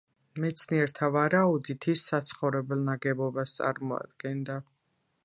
მეცნიერთა ვარაუდით ის საცხოვრებელ ნაგებობას წარმოადგენდა.